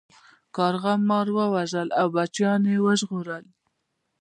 کارغه مار وواژه او بچیان یې وژغورل.